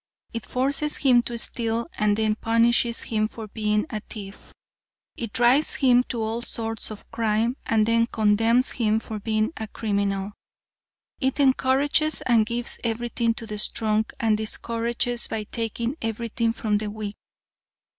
It forces him to steal and then punishes him for being a thief. It drives him to all sorts of crime, and then condemns him for being a criminal. It encourages and gives everything to the strong and discourages by taking everything from the weak.